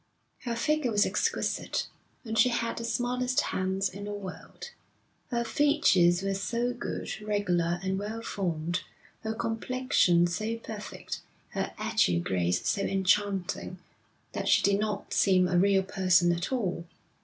Her figure was exquisite, and she had the smallest hands in the world. Her features were so good, regular and well formed, her complexion so perfect, her agile grace so enchanting, that she did not seem a real person at all.